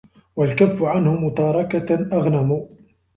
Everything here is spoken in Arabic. وَالْكَفُّ عَنْهُ مُتَارَكَةً أَغْنَمُ